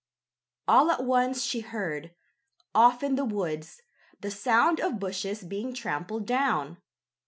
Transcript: All at once she heard, off in the woods, the sound of bushes being trampled down.